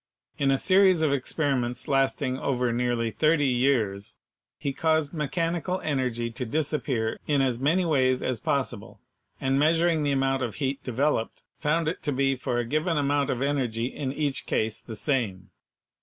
In a series of experiments lasting over nearly 30 years, he caused mechanical energy to disappear in as many ways as possible, and measuring the amount of heat developed, found it to be for a given amount of energy in each case the same.